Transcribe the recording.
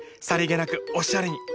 さりげなくおしゃれに。